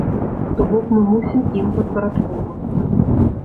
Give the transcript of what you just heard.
То бок мы мусім ім падпарадкоўвацца.